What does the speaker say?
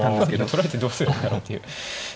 取られてどうするんだろうっていう。